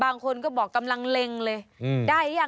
บางคนก็บอกกำลังเร่งเลย